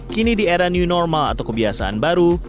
kini di era new normal atau kebiasaan baru